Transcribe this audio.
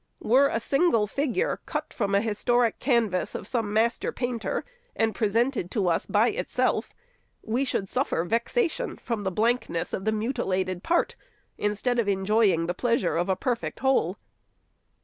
Were a single figure cut from the historic canvas of some master painter, and presented to us by itself, we should suffer vexation from the blank ness of the mutilated part, instead of enjoying the pleas ure of a perfect whole.